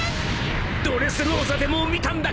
［ドレスローザでも見たんだ